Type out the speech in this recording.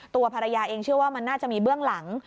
ตัวภรรยาเองเชื่อว่ามันน่าจะมีเบื้องหลัง